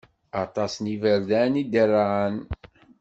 Aṭas n iberdan i iderɛen.